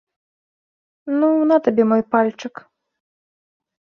Ну, на табе мой пальчык.